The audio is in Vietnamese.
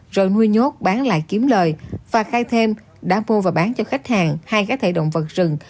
rồi nuôi nhốt bán lại kiếm lời và khai thêm đã mua và bán cho khách hàng hai cá thể động vật rừng